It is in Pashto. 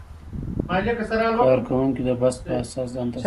کارکوونکي د بست په اساس دنده ترسره کوي.